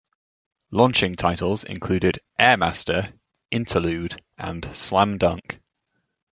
Launching titles included "Air Master", "Interlude", and "Slam Dunk".